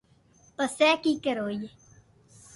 پسي ڪآڪر ھوئي